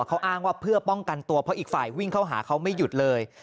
เขาอ้างว่าเพื่อป้องกันตัวเพราะอีกฝ่ายวิ่งเข้าหาเขาไม่หยุดเลย